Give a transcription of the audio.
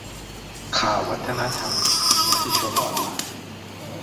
ข่าววัฒนธรรม มติชนออนไลน์